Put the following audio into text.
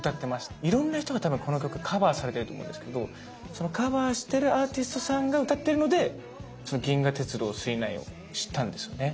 いろんな人が多分この曲カバーされてると思うんですけどそのカバーしてるアーティストさんが歌ってるのでその「銀河鉄道９９９」を知ったんですよね。